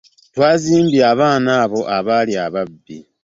Tuzimbye abaana abo abaali ababbi.